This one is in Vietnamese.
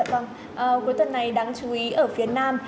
vâng cuối tuần này đáng chú ý ở phía nam